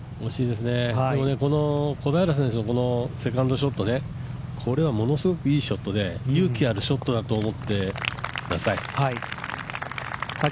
でも、この小平選手のセカンドショット、これはものすごくいいショットで、勇気あるショットだと思ってください。